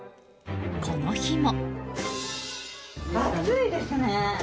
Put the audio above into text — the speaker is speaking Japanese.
この日も。